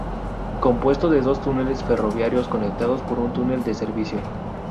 Compuesto de dos túneles ferroviarios conectados por un túnel de servicio.